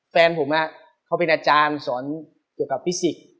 แฟนผมเขาเป็นอาจารย์สอนเกี่ยวกับพิสิกส์